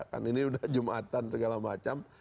kan ini sudah jumatan segala macam